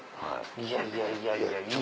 いやいやいやいや。